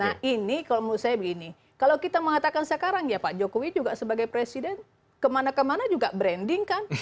nah ini kalau menurut saya begini kalau kita mengatakan sekarang ya pak jokowi juga sebagai presiden kemana kemana juga branding kan